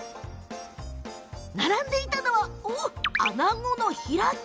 並んでいたのは、あなごの開き。